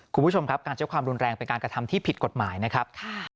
คุณผู้ชมครับการใช้ความรุนแรงเป็นการกระทำที่ผิดกฎหมายนะครับ